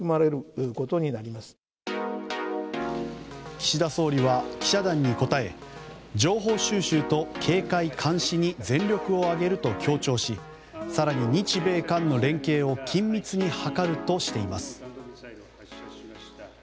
岸田総理は記者団に答え情報収集と警戒監視に全力を挙げると強調し更に日米韓の連携を緊密に図るとしています。